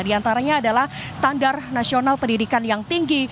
di antaranya adalah standar nasional pendidikan yang tinggi